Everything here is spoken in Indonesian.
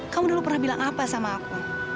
kamu dulu pernah bilang apa sama aku